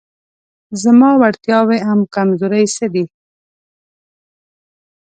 زما وړتیاوې او کمزورۍ څه دي؟